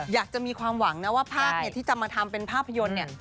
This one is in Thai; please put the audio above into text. อยากจะมีความหวังนะว่าภาพที่จะมาทำเป็นภาพยนตร์เนี่ย